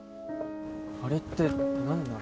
あれって何なの？